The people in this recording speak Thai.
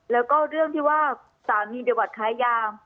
แล้วก็เรื่องที่ว่าศาลมีประวัติค้าย่าง